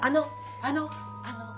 あのあのの。